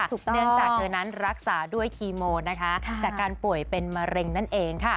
เนื่องจากเธอนั้นรักษาด้วยคีโมจากการป่วยเป็นมะเร็งนั่นเอง